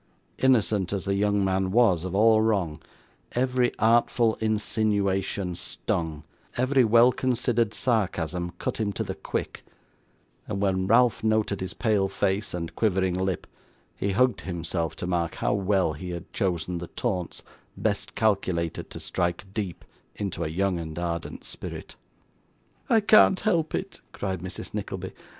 Innocent as the young man was of all wrong, every artful insinuation stung, every well considered sarcasm cut him to the quick; and when Ralph noted his pale face and quivering lip, he hugged himself to mark how well he had chosen the taunts best calculated to strike deep into a young and ardent spirit. 'I can't help it,' cried Mrs. Nickleby.